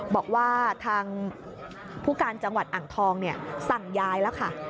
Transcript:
บอกว่าทางผู้การจังหวัดอ่างทองสั่งย้ายแล้วค่ะ